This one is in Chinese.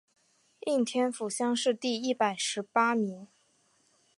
应天府乡试第一百十八名。